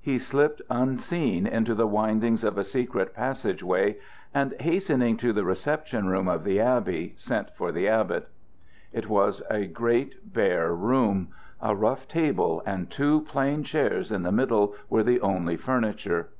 He slipped unseen into the windings of a secret passage way, and hastening to the reception room of the abbey sent for the abbot. It was a great bare room. A rough table and two plain chairs in the middle were the only furniture.